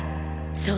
そう